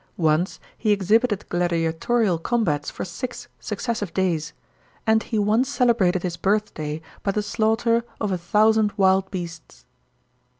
Once he exhibited gladiatorial combats for six successive days ; and he once cele brated his birthday by the slaughter of a thousand wild beasts.